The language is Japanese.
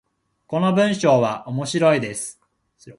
この文章は面白いです。